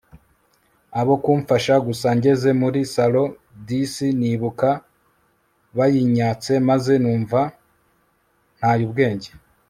abo kumfasha gusa ngeze muri salon disi nibuka bayinyatse maze numva ntayubwenge